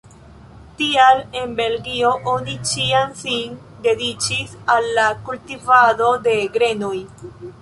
Tial en Belgio oni ĉiam sin dediĉis al la kultivado de grenoj.